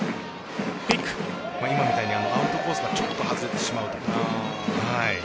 今みたいにアウトコースからちょっと外れてしまうと。